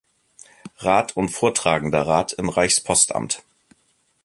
Rat und vortragender Rat im Reichspostamt.